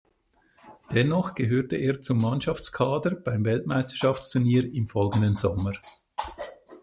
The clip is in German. Dennoch gehörte er zum Mannschaftskader beim Weltmeisterschaftsturnier im folgenden Sommer.